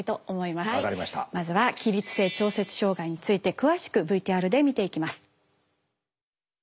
まずは起立性調節障害について詳しくＶＴＲで見ていきます。